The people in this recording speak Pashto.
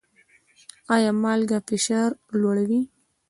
ایا مالګه فشار لوړوي؟